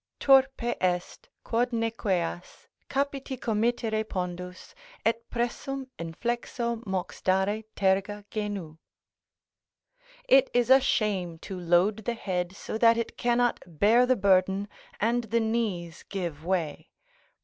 "Turpe est, quod nequeas, capiti committere pondus, Et pressum inflexo mox dare terga genu." ["It is a shame to load the head so that it cannot bear the burthen, and the knees give way."